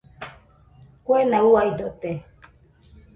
Kuena uaidote.